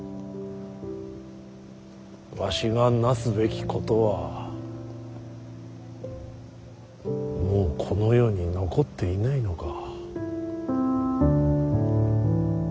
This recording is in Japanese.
わしがなすべきことはもうこの世に残っていないのか。